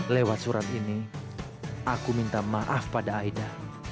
lewat surat ini aku minta maaf pada aida